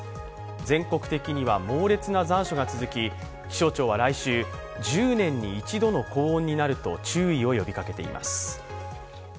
全国的には猛烈な残暑が続き気象庁は来週、１０年に一度の高温になると注意を呼びかけています。